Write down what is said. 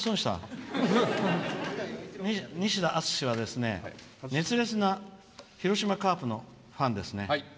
西田篤史は熱烈な広島カープのファンですね。